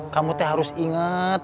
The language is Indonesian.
kamu teh harus inget